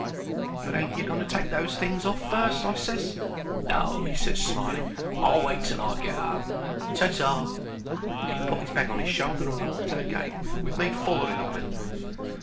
"But ain't you going to take those things off fust?" I ses. "No," he ses, smiling. "I'll wait till I get 'ome. Ta ta." He put 'is bag on 'is shoulder and walked to the gate, with me follering of 'im.